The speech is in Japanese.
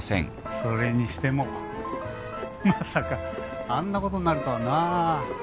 それにしてもまさかあんなことになるとはな。